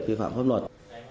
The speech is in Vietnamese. khi phạm pháp luật